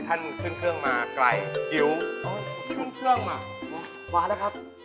หลังนี่คุณก็ไม่ถึงก็สุดนะนะครับ